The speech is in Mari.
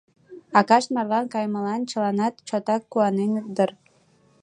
Акашт марлан кайымылан чыланат чотак куаненыт дыр.